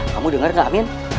kamu dengar gak amin